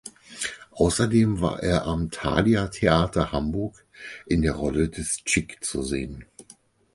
Außerdem war er am Thalia Theater Hamburg in der Rolle des Tschick zu sehen.